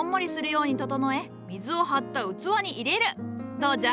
どうじゃ？